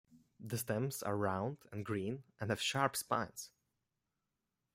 The stems are round and green and have sharp spines.